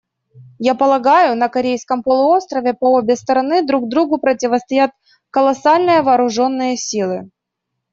Я полагаю, на Корейском полуострове по обе стороны друг другу противостоят колоссальные вооруженные силы.